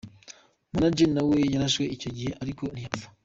Manager we nawe yararashwe icyo gihe ariko ntiyapfa.